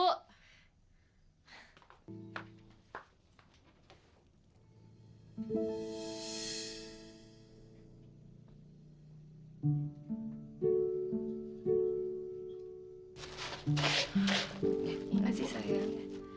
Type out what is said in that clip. terima kasih sayang